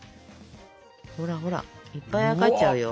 ほらほらいっぱいあやかっちゃうよ。